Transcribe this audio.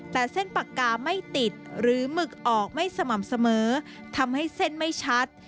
แต่เส้นปากกาไม่ติดหรือหมึกออกไม่สม่ำเสมอทำให้เส้นไม่ชัด